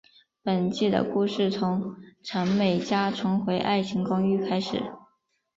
本季的故事从陈美嘉重回爱情公寓开始。